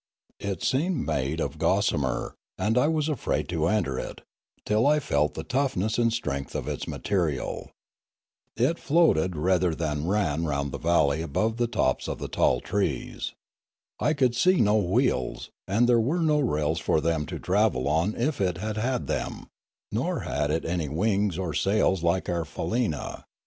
It seemed made of Fialume 69 gossamer, and I was afraid to enter it, till I felt the toughness and strength of its material. It floated rather than ran round the valley above the tops of the tall trees. I could see no wheels, and there were no rails for them to travel on if it had had them, nor had it any wings or sails like our faleena.